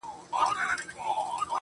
مرم د بې وخته تقاضاوو، په حجم کي د ژوند.